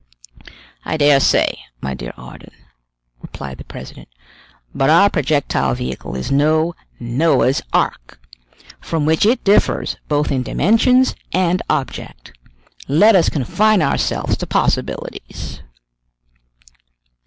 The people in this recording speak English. "I dare say, my dear Ardan," replied the president, "but our projectile vehicle is no Noah's ark, from which it differs both in dimensions and object. Let us confine ourselves to possibilities."